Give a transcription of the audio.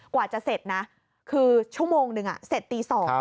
กว่าจะเสร็จนะคือชั่วโมงหนึ่งเสร็จตี๒